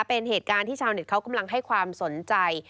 เป็นเหตุการณ์ที่ชาวเน็ตเขากำลังให้ความสนใจ